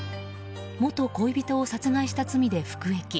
元恋人を殺害した罪で服役。